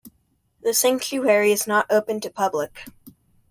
The Sanctuary is not open to public.